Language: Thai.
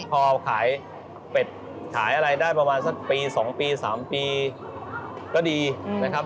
พอขายเป็ดขายอะไรได้ประมาณสักปี๒ปี๓ปีก็ดีนะครับ